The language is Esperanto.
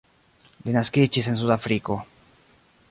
Li naskiĝis en Sudafriko.